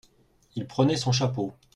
Il prenait son chapeau.